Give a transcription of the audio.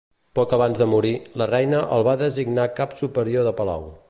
Poc abans de morir, la Reina el va designar Cap Superior de Palau.